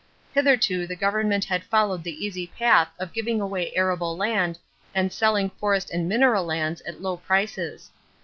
Hitherto the government had followed the easy path of giving away arable land and selling forest and mineral lands at low prices.